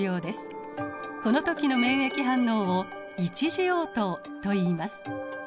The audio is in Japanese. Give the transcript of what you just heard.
この時の免疫反応を一次応答といいます。